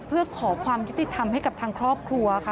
เพื่อขอความยุติธรรมให้กับทางครอบครัวค่ะ